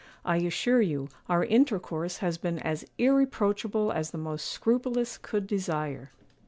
I assure you, our intercourse has been as irreproachable as the most scrupulous could desire.